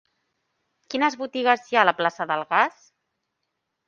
Quines botigues hi ha a la plaça del Gas?